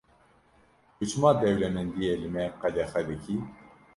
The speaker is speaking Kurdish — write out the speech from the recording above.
Tu çima dewlemendiyê li me qedexe dikî?